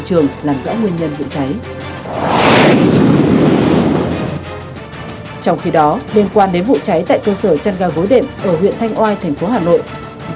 trong khi đó liên quan đến vụ cháy tại cơ sở trăn gai vối đệm ở huyện thanh oai thành phố hà nội